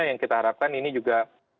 yang kita harapkan ini juga